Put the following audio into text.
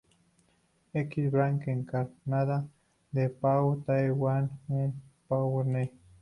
X Brands encarnaba a "Pahoo-Ka-Ta-Wah", un pawnee.